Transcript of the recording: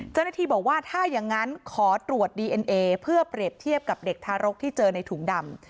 เจ้าหน้าที่บอกว่าถ้าอย่างนั้นขอตรวจดีเอ็นเอเพื่อเปรียบเทียบกับเด็กทารกที่เจอในถุงดำ